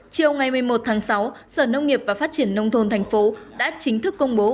chiều ngày một mươi một tháng sáu sở nông nghiệp và phát triển nông thôn thành phố đã chính thức công bố